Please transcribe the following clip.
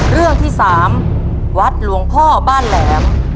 เรื่องที่๓วัดหลวงพ่อบ้านแหลม